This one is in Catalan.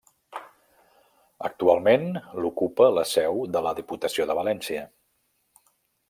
Actualment l'ocupa la seu de la Diputació de València.